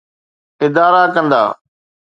ادارا ڪندا؟